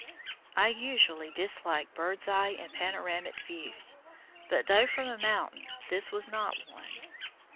I usually dislike bird's eye and panoramic views, but, though from a mountain, this was not one.